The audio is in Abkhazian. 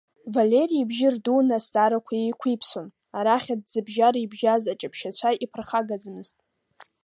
Валери ибжьы рдуны азҵаарақәа еиқәиԥсон, арахь аҭӡыбжьара ибжьаз аҷаԥшьацәа иԥырхагаӡамызт.